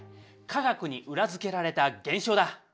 科学にうらづけられた現象だ！